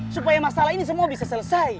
supaya masalah ini semua bisa selesai